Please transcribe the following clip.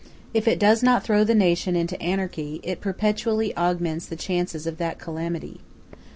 If it does not throw the nation into anarchy, it perpetually augments the chances of that calamity.